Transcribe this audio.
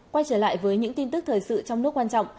quay trở lại với những tin tức thời sự trong nước quan trọng